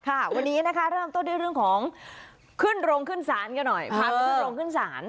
ค่ะวันนี้นะคะเริ่มต้นด้วยเรื่องของขึ้นโรงขึ้นศาลกันหน่อยพาไปขึ้นโรงขึ้นศาล